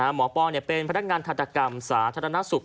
ปอเป็นพนักงานทันตกรรมสาธารณสุข